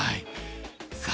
さあ